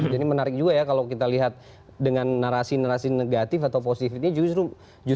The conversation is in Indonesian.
jadi menarik juga ya kalau kita lihat dengan narasi narasi negatif atau positif ini justru berarti itu juga bisa diperhatikan gitu ya